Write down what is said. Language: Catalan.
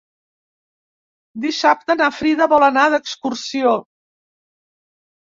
Dissabte na Frida vol anar d'excursió.